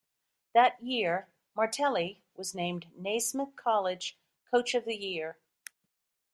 That year, Martelli was named Naismith College Coach of the Year.